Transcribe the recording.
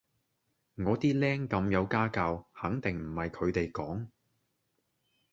我啲靚咁有家教，肯定唔係佢哋講